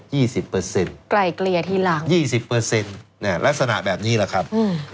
ไกล่เกลียที่หลัง๒๐ลักษณะแบบนี้แหละครับ